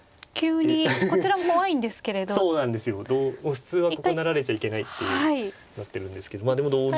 普通はここ成られちゃいけないっていうなってるんですけどまあでも同銀。